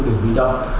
để bị động